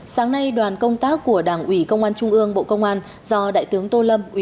sáng nay đoàn công tác của đảng ủy công an trung ương bộ công an do đại tướng tô lâm